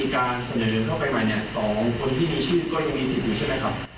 สองคนที่มีชื่อก็ยังมีสิทธิ์อยู่ใช่ไหมครับ